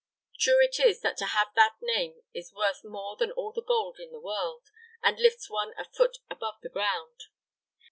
True it is that to have that name is worth more than all the gold in the world, and lifts one a foot above the ground.